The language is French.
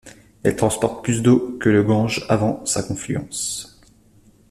Elle transporte plus d'eau que le Gange avant sa confluence.